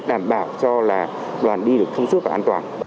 đảm bảo cho là đoàn đi được thông suốt và an toàn